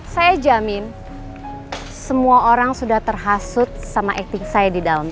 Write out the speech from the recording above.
saya jamin semua orang sudah terhasut sama acting saya di dalam